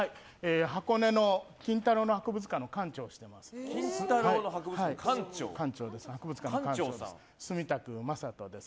箱根の金太郎の博物館の館長をしてます住宅正人です。